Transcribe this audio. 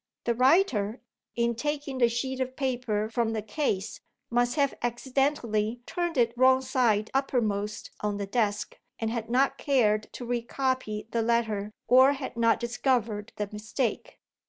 The writer, in taking the sheet of paper from the case, must have accidentally turned it wrong side uppermost on the desk, and had not cared to re copy the letter, or had not discovered the mistake.